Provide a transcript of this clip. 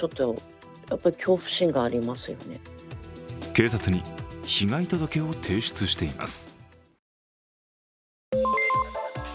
警察に被害届を提出しています。